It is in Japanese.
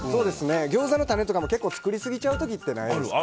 ギョーザのタネとかも結構作りすぎちゃう時ってないですか？